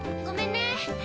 ごめんね。